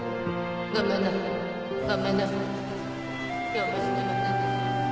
ごめんなさいごめんなさい今日も死ねませんでした